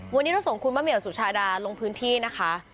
วันนี้เราส่งคุณมะเหี่ยวสุชาดาลงพื้นที่นะคะ